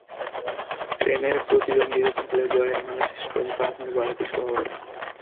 প্রেমের প্রতিদ্বন্দ্বিতা থাকলেও জয়ের মালা শেষ পর্যন্ত আপনার গলাতেই শোভা পাবে।